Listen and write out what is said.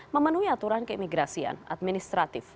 memenuhi aturan keimigrasian administratif